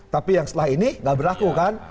tapi yang setelah ini nggak berlaku kan